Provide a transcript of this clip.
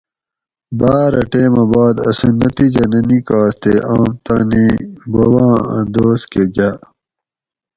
باۤر اۤ ٹیمہ باد اسوں نتیجہ نہ نِکاس تے آم تانی بباں اۤ دوس کہ گاۤ